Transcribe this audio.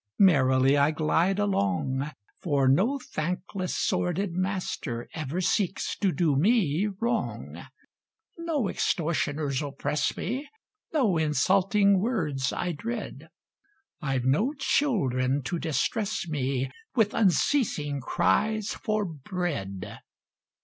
Merrily I glide along, For no thankless, sordid master, Ever seeks to do me wrong: No extortioners oppress me, No insulting words I dread I've no children to distress me With unceasing cries for bread.